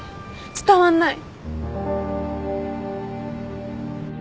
伝わんない。